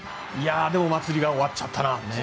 でもお祭りが終わっちゃったなって。